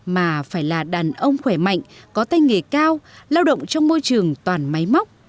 mà phải là đàn ông khỏe mạnh có tay nghề cao lao động trong môi trường toàn máy móc